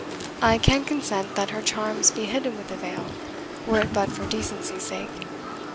I can consent that her charms be hidden with a veil, were it but for decency's sake.